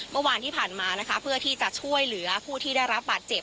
เมื่อวานที่ผ่านมานะคะเพื่อที่จะช่วยเหลือผู้ที่ได้รับบาดเจ็บ